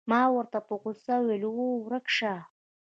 ما ورته په غوسه وویل: اوه، ورک شه.